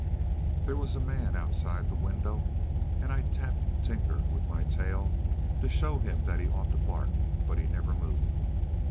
There was a man outside the window, and I tapped Tinker with my tail to show him that he ought to bark, but he never moved.